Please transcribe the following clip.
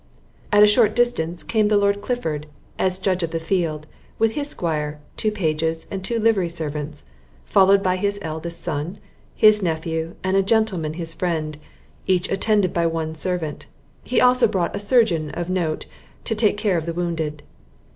At a short distance came the Lord Clifford, as judge of the field, with his esquire, two pages, and two livery servants; followed by his eldest son, his nephew, and a gentleman his friend, each attended by one servant; He also brought a surgeon of note to take care of the wounded.